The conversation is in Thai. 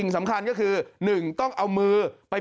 น้ำน้อยแฟ้ไฟ